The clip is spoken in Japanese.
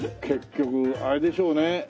結局あれでしょうね。